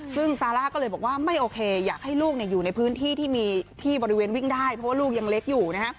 ซึ่งซาร่าก็เลยบอกว่าไม่โอเคอยากให้ลูกอยู่ในพื้นที่ที่มีที่บริเวณวิ่งได้เพราะว่าลูกยังเล็กอยู่นะฮะ